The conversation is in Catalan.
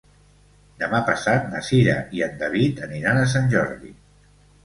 Demà passat na Cira i en David aniran a Sant Jordi.